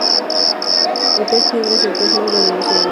El pez piedra es el pez más venenoso del mundo.